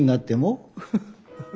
フフフフ！